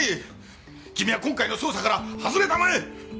君は今回の捜査から外れたまえ！